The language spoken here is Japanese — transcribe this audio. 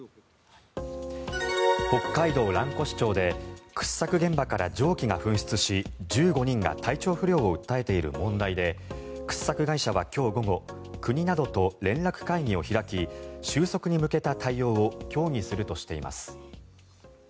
北海道蘭越町で掘削現場から蒸気が噴出し１５人が体調不良を訴えている問題で掘削会社は今日午後国などと連絡会議を開き収束に向けた対応を協議するとしています。